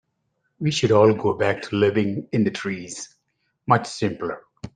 We should all go back to living in the trees, much simpler.